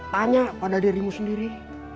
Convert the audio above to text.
tanya pada dirimu sendiri